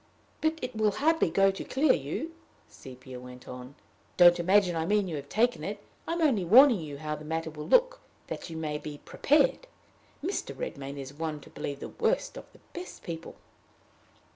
"But it will hardly go to clear you," Sepia went on. "Don't imagine I mean you have taken it; I am only warning you how the matter will look, that you may be prepared. Mr. Redmain is one to believe the worst things of the best people."